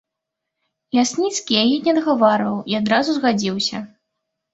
Лясніцкі яе не адгаварваў і адразу згадзіўся.